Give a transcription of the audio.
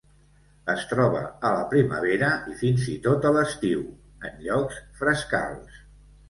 Es troba a la primavera i fins i tot a l'estiu, en llocs frescals.